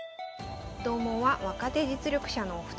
同門は若手実力者のお二人。